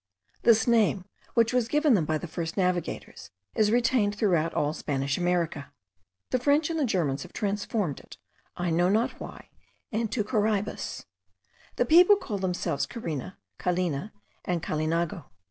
This name, which was given them by the first navigators, is retained throughout all Spanish America. The French and the Germans have transformed it, I know not why, into Caraibes. The people call themselves Carina, Calina, and Callinago.